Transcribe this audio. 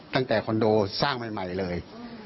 ตั้งแต่คอนโดสร้างใหม่เลย